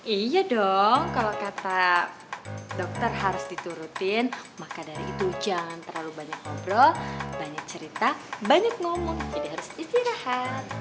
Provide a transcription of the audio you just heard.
iya dong kalau kata dokter harus diturutin maka dari itu jangan terlalu banyak ngobrol banyak cerita banyak ngomong jadi harus istirahat